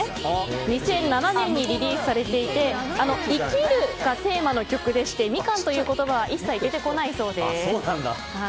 ２００７年にリリースされていて生きるがテーマの曲でしてみかんという言葉は一切出てこないそうです。